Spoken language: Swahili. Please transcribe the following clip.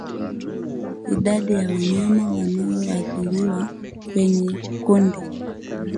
Idadi ya wanyama wanaoathiriwa kwenye kundi